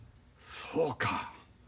そうか。